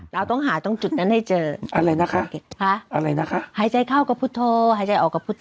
เราต้องหาตรงจุดนั้นให้เจออะไรนะคะหายใจเข้าก็พุทธโธหายใจออกก็พุทธโธ